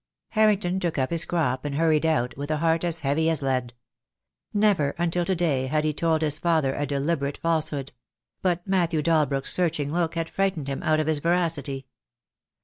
Harrington took up his crop and hurried out, with a heart as heavy as lead. Never until to day had he told his father a deliberate falsehood; but Matthew Dalbrook's searching look had frightened him out of his veracity.